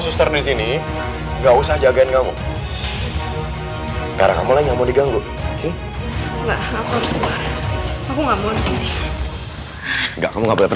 suster di sini enggak usah jagain kamu karena mulai nyamuk diganggu aku nggak mau